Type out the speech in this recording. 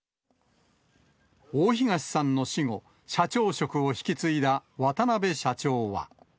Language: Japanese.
大東さんの死後、社長職を引き継いだ渡邊社長は。